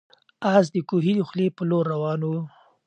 آس د کوهي د خولې په لور روان و.